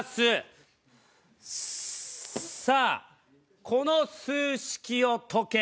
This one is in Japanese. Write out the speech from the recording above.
さあこの数式を解け。